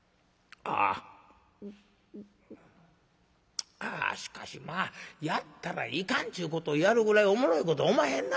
あしかしまあやったらいかんっちゅうことをやるぐらいおもろいことおまへんな。